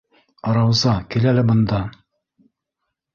Рауза, кил әле бында!